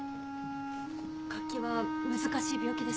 脚気は難しい病気です。